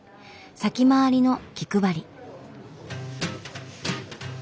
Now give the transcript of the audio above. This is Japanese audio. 先回りの気配り。